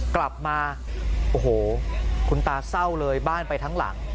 กลับมาโอ้โหคุณตาเศร้าเลยบ้านไปทั้งหลัง